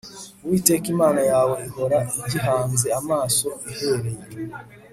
Uwiteka Imana yawe ihora igihanze amaso ihereye